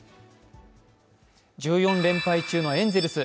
１４連敗中のエンゼルス。